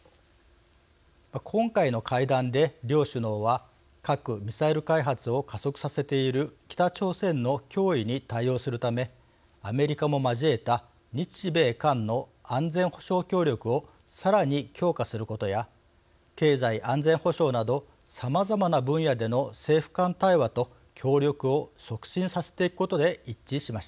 今回の会談で両首脳は核・ミサイル開発を加速させている北朝鮮の脅威に対応するためアメリカも交えた日米韓の安全保障協力をさらに強化することや経済安全保障などさまざまな分野での政府間対話と協力を促進させていくことで一致しました。